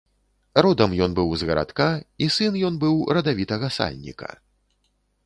Родам ён быў з гарадка, і сын ён быў радавітага сальніка.